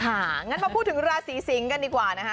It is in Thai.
งั้นมาพูดถึงราศีสิงศ์กันดีกว่านะคะ